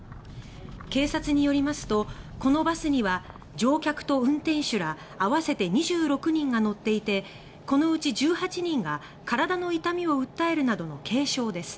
警察によりますとこのバスには乗客と運転手らあわせて２６人が乗っていてこのうち１８人が身体の痛みを訴えるなどの軽傷です。